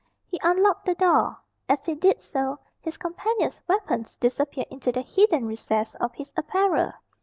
He unlocked the door. As he did so, his companion's weapons disappeared into the hidden recess of his apparel.